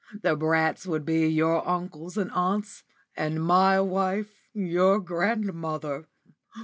The brats would be your uncles and aunts, and my wife your grandmother!